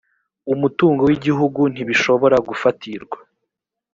umutungo w’igihugu ntibishobora gufatirwa